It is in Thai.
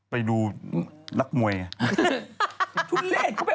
ไปดูรักมวย